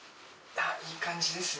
いい感じですね